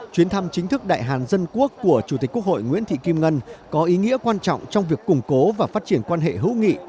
chuyến thăm chính thức đại hàn dân quốc của chủ tịch quốc hội nguyễn thị kim ngân có ý nghĩa quan trọng trong việc củng cố và phát triển quan hệ hữu nghị